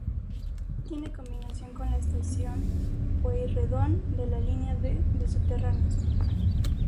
Tiene combinación con la estación Pueyrredón de la línea D de subterráneos.